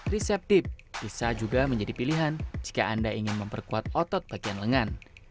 reseptive bisa juga menjadi pilihan jika anda ingin memperkuat otot bagian lengan